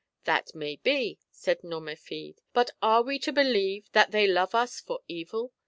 "That may be," said Nomerfide; "but are we to believe that they love us for evil